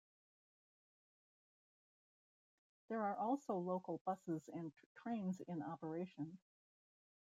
There are also local buses and trains in operation.